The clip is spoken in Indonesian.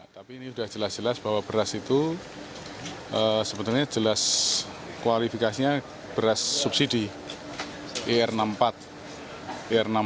tapi ini sudah jelas jelas bahwa beras itu sebetulnya jelas kualifikasinya beras subsidi er enam puluh empat